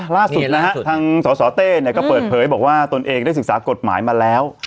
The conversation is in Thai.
ล่าสุดนะฮะทางสสเต้เนี่ยก็เปิดเผยบอกว่าตนเองได้ศึกษากฎหมายมาแล้ว